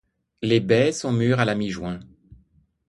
Les baies sont mûres à la mi-juin.